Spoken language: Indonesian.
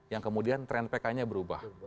yang kemudian tren pk nya berubah